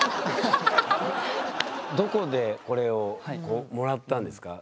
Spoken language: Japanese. どこでこれをもらったんですか？